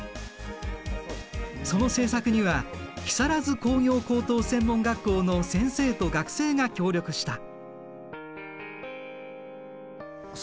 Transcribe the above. その製作には木更津工業高等専門学校の先生と学生が協力した。